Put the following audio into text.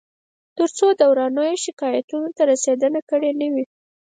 تر څو داورانو یې شکایتونو ته رسېدنه کړې نه وي